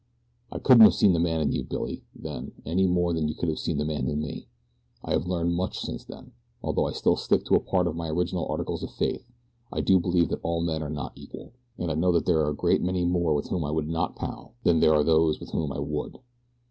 "I couldn't have seen the man in you, Billy, then, any more than you could have seen the man in me. I have learned much since then, though I still stick to a part of my original articles of faith I do believe that all men are not equal; and I know that there are a great many more with whom I would not pal than there are those with whom I would.